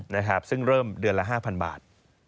นะครับซึ่งเริ่มเดือนละ๕๐๐บาท